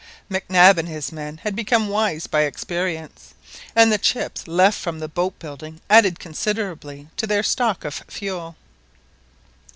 Mac Nab and his men had become wise by experience, and the chips left from the boat building added considerably to their stock of fuel.